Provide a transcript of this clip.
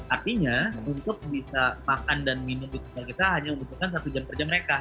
artinya untuk bisa makan dan minum di tempat kita hanya membutuhkan satu jam kerja mereka